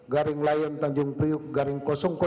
garing layan tanjung priuk garing enam puluh delapan